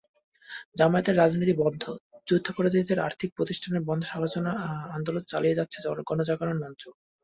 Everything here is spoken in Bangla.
জামায়াতের রাজনীতি বন্ধ, যুদ্ধাপরাধীদের আর্থিক প্রতিষ্ঠান বন্ধের আন্দোলন চালিয়ে যাচ্ছে গণজাগরণ মঞ্চ।